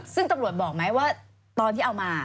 ซึ่งตำรวจบอกไหมว่าตอนที่เอามา